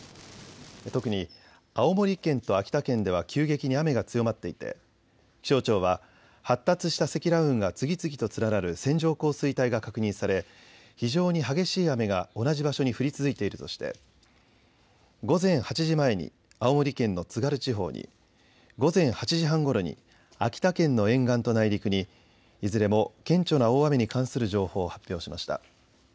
特に青森県と秋田県では急激に雨が強まっていて気象庁は発達した積乱雲が次々と連なる線状降水帯が確認され、非常に激しい雨が同じ場所に降り続いているとして午前８時前に青森県の津軽地方に、午前８時半ごろに秋田県の沿岸と内陸にいずれも顕著な大雨に関する情報を発表しました。